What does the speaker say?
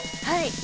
はい。